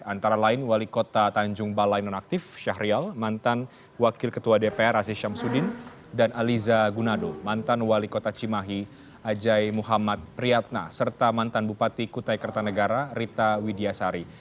antara lain wali kota tanjung balai nonaktif syahrial mantan wakil ketua dpr aziz syamsuddin dan aliza gunado mantan wali kota cimahi ajai muhammad priyatna serta mantan bupati kutai kertanegara rita widiasari